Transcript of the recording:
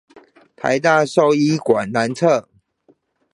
臺大獸醫館南側